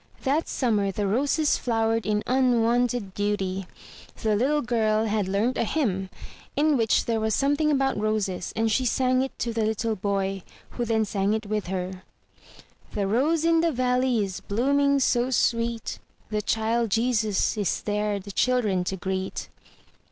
That summer the roses flowered in unwonted beauty. The little girl had learned a hymn, in which there was something about roses, and she sang it to the little boy, who then sang it with her: — "The rose in the valley is blooming so sweet, The Child Jesus is there the children to greet."